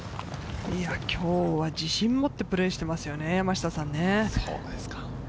今日は自信を持ってプレーしていますね、山下さん。